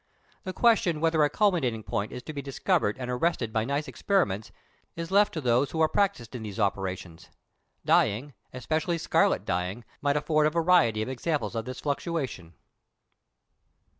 The question whether a culminating point is to be discovered and arrested by nice experiments, is left to those who are practised in these operations. Dyeing, especially scarlet dyeing, might afford a variety of examples of this fluctuation.